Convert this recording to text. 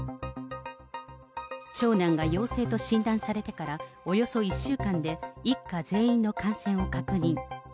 長男が陽性と診断されてからおよそ１週間で、一家全員の感染を確認。